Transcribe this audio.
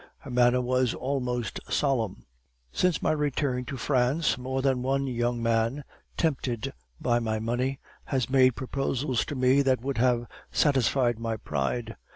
Her manner was almost solemn. "'Since my return to France, more than one young man, tempted by my money, has made proposals to me which would have satisfied my pride.